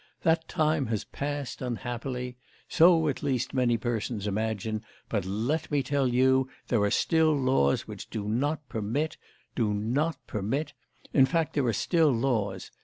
That time has passed, unhappily: so at least many persons imagine; but let me tell you, there are still laws which do not permit do not permit in fact there are still laws.